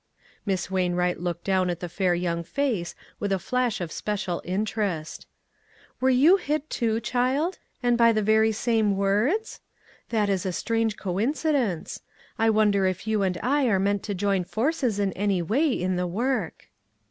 Miss Wainwright looked down at the fair young face with a flash of special interest. " Were you hit too, child, and by the 126 ONE COMMONPLACE DAY. very same words? That is a strange co incidence. I wonder if you and I are meant to join forces in any way in the work?"